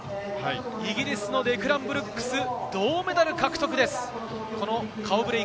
イギリスのデクラン・ブルックス、銅メダル獲得です。